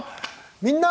「みんな！